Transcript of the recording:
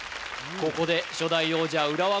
ここで初代王者浦和